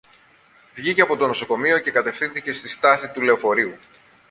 Βγήκε από το νοσοκομείο και κατευθύνθηκε στη στάση του λεωφορείου